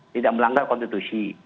tidak melanggar konstitusi